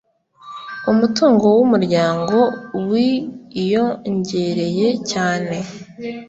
Umutungo wumuryango wiyongereye cyane.